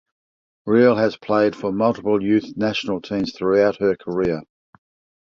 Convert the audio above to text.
Riehl has played for multiple youth national teams throughout her career.